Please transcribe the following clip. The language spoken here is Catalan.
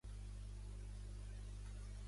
"Turner and the Subject of History".